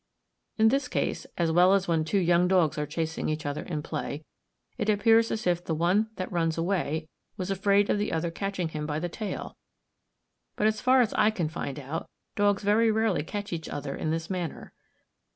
In this case, as well as when two young dogs are chasing each other in play, it appears as if the one that runs away was afraid of the other catching him by the tail; but as far as I can find out, dogs very rarely catch each other in this manner.